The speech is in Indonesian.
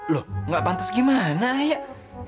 loh nggak pantas gimana ayah